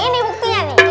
ini ini buktinya nih